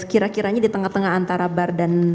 kira kiranya di tengah tengah antara bar dan